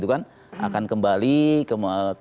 akan kembali ke